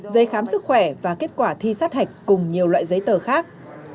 giấy khám sức khỏe và kết quả thi sát hạch cùng nhiều loại giấy tờ khác